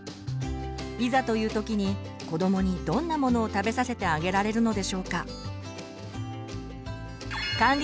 いざという時に子どもにどんなものを食べさせてあげられるのでしょうか？